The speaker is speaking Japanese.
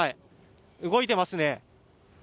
動いてますね。